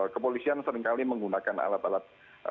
kepolisian seringkali menggunakan alat alat